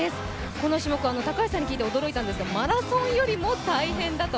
この競技、高橋さんに聞いて驚いたんですが、マラソンよりも大変だと。